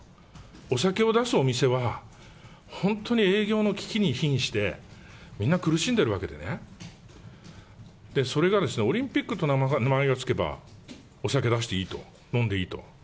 お酒を出すお店は、本当に営業の危機にひんして、みんな苦しんでいるわけでね、それがですね、オリンピックと名前がつけば、お酒出していいと、飲んでいいと。